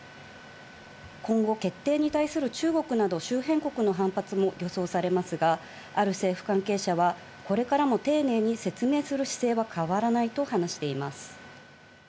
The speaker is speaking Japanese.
今後、決定に対する中国など周辺国の反発も予想されますが、ある政府関係者はこれからも丁寧に説明する姿勢は変わらないと話しています。